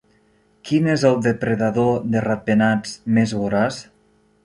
Quin és el depredador de ratpenats més voraç?